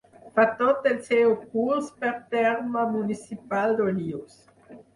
Fa tot el seu curs per terme municipal d'Olius.